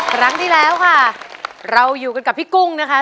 ครั้งที่แล้วค่ะเราอยู่กันกับพี่กุ้งนะคะ